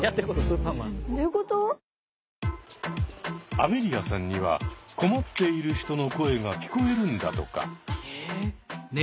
アベリアさんには困っている人の声が聞こえるんだとか。